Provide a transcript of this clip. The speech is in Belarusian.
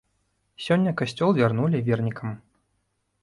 Сёння касцёл вярнулі вернікам.